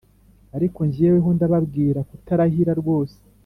Ariko jyeweho ndababwira kutarahira rwose